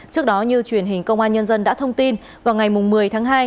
trước đó như truyền hình công an nhân dân đã thông tin vào ngày một mươi tháng hai